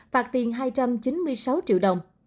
phạt tiền hai trăm chín mươi sáu triệu đồng